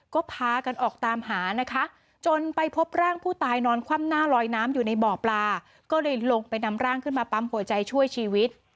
ก็พากันออกตามหานะคะจนไปพบร่างผู้ตายนอนคว่ำหน้าลอยน้ำอยู่ในบ่อปลาก็เลยลงไปนำร่างขึ้นมาปั๊มหัวใจช่วยชีวิต